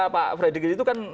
pak fredyck itu kan